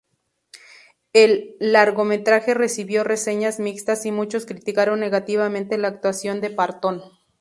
El largometraje recibió reseñas mixtas y muchos criticaron negativamente la actuación de Parton.